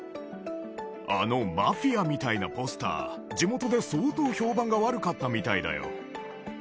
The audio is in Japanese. あのマフィアみたいなポスター、地元で相当評判が悪かったみたいだよ。